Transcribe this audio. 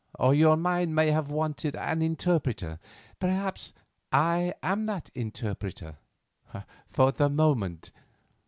Or your mind may have wanted an interpreter. Perhaps I am that interpreter—for the moment."